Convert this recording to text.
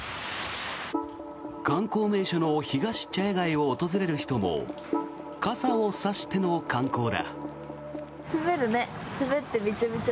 観光名所のひがし茶屋街を訪れる人も傘を差しての観光だ。